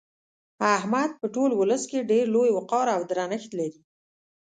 احمد په ټول ولس کې ډېر لوی وقار او درنښت لري.